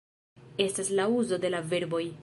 Estas la uzo de la verboj